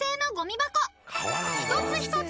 ［一つ一つ］